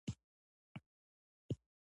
بوټونه د دفتر د نظم برخه ده.